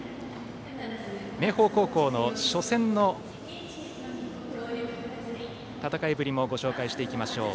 明豊高校の初戦の戦いぶりもご紹介していきましょう。